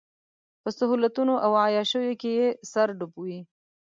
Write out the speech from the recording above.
په سهولتونو او عياشيو کې يې سر ډوب وي.